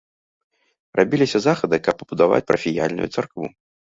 Рабіліся захады, каб пабудаваць парафіяльную царкву.